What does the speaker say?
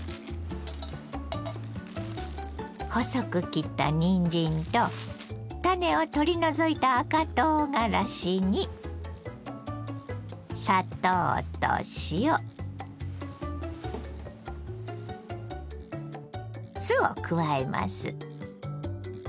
細く切ったにんじんと種を取り除いた赤とうがらしにを加えます。